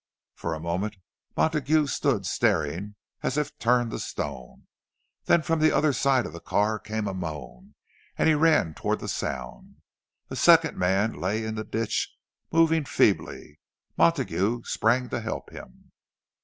For a moment Montague stood staring, as if turned to stone. Then from the other side of the car came a moan, and he ran toward the sound. A second man lay in the ditch, moving feebly. Montague sprang to help him.